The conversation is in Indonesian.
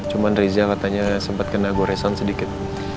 cuman riza katanya sempat kena goresan sedikit